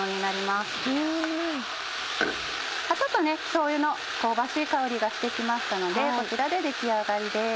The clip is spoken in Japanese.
しょうゆの香ばしい香りがして来ましたのでこちらで出来上がりです。